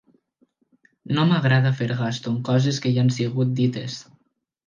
No m'agrada fer gasto en coses que ja han sigut dites.